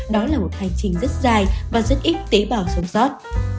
đó là một hành trình rất dài và rất ít tế bào sống sót